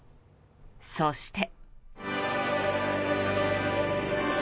そして。